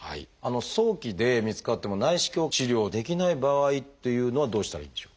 早期で見つかっても内視鏡治療できない場合というのはどうしたらいいんでしょう？